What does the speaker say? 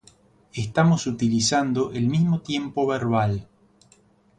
estamos utilizando el mismo tiempo verbal